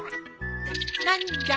何じゃ？